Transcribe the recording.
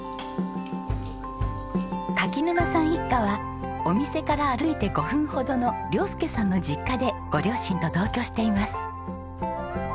柿沼さん一家はお店から歩いて５分ほどの亮佑さんの実家でご両親と同居しています。